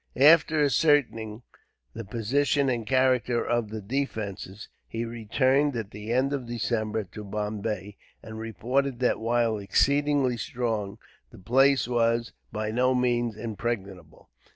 After ascertaining the position and character of the defences, he returned, at the end of December, to Bombay; and reported that, while exceedingly strong, the place was by no means impregnable.